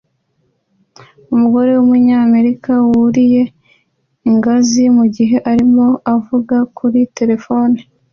Umugore wumunyamerika wuriye ingazi mugihe arimo avugana kuri terefone